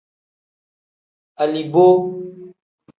Aliboo.